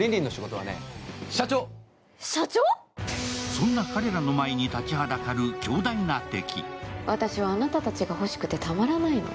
そんな彼らの前に立ちはだかる強大な敵。